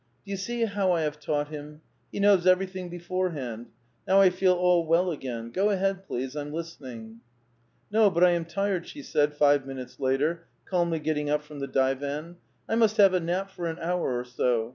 '* Do you see how I have taught him? He knows everything beforehand. Now I feel ail well again. Go ahead, please ; I'm listening !"" No, but 1 am tired," she said, five minutes later, calmly getting up from the divan. "I must have a nap^for an hour or so.